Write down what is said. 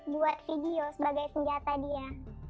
buat video sebagai senjata dia